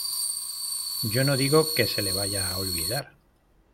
yo no digo que se le vaya a olvidar.